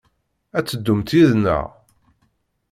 Ad teddumt yid-neɣ?